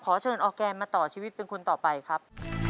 ขอเชิญออร์แกนมาต่อชีวิตเป็นคนต่อไปครับ